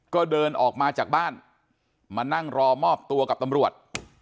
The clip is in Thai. ก็เดินออกมาจากบ้านมานั่งรอมอบตัวกับตำรวจ